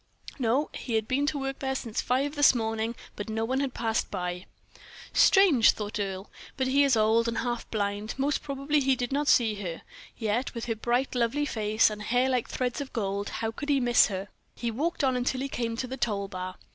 "No; he had been to work there since five in the morning, but no one had passed by." "Strange," thought Earle; "but he is old and half blind most probably he did not see her; yet, with her bright, lovely face, and hair like threads of gold, how could he miss her?" He walked on until he came to the toll bar.